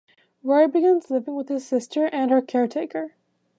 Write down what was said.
Ryo begins living with his sister and her caretaker.